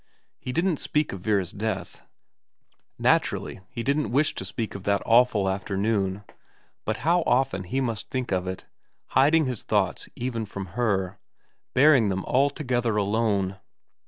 He didn't speak of Vera's death, naturally he didn't IT VERA 165 wish to speak of that awful afternoon, but how often he must think of it, hiding his thoughts even from her, bearing them altogether alone.